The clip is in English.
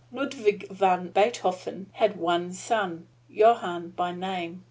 Ludvig van Biethofen had one son, Johann by name.